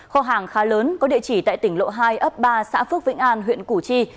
kho hàng khá lớn có địa chỉ tại tỉnh lộ hai ấp ba xã phước vĩnh an huyện củ chi